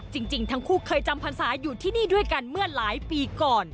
จริงทั้งคู่เคยจำพรรษาอยู่ที่นี่ด้วยกันเมื่อหลายปีก่อน